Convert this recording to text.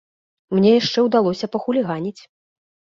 Мне яшчэ ўдалося пахуліганіць!